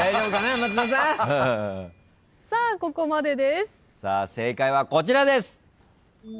正解はこちらです。